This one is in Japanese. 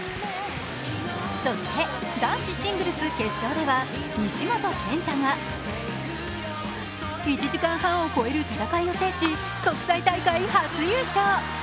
そして男子シングルス決勝では西本拳太が１時間半を超える戦いを制し国際大会初優勝。